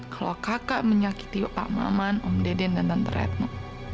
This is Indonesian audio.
kalau kakak menyakiti pak maman om deden dan tenteretmu